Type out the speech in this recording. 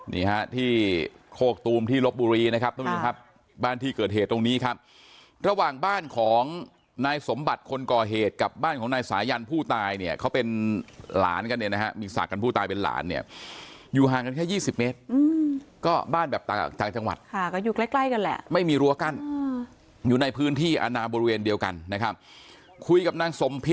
นี่ครับที่โคกตูมที่รบบุรีนะครับตรงนี้ครับบ้านที่เกิดเหตุตรงนี้ครับระหว่างบ้านของนายสมบัติคนก่อเหตุกับบ้านของนายสายันผู้ตายเนี่ยเขาเป็นหลานกันเนี่ยนะฮะมีศาสตร์กันผู้ตายเป็นหลานเนี่ยอยู่ห่างกันแค่๒๐เมตรก็บ้านแบบต่างจังหวัดค่ะก็อยู่ใกล้กันแหละไม่มีรั้วกั้นอยู่ในพื้นที่อาณา